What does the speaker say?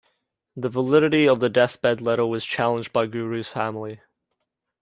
The validity of the death-bed letter was challenged by Guru's family.